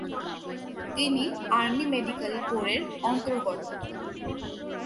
তিনি army medical কোরের অন্তর্গত।